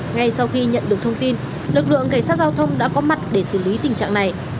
ngay sau khi nhận được thông tin lực lượng cảnh sát giao thông đã có mặt để xử lý tình trạng này